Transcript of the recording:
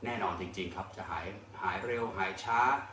แน่นอนจริงครับจะหายเร็วหายช้า